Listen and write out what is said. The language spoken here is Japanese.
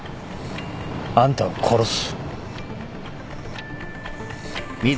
あんたを殺す。